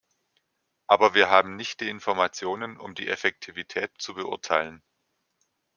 Aber wir haben nicht die Informationen, um die Effektivität zu beurteilen.